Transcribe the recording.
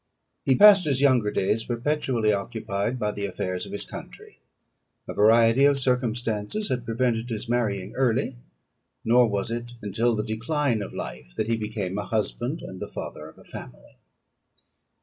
He passed his younger days perpetually occupied by the affairs of his country; a variety of circumstances had prevented his marrying early, nor was it until the decline of life that he became a husband and the father of a family.